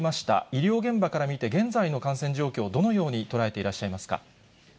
医療現場から見て、現在の感染状況、どのように捉えていらっしゃいますか？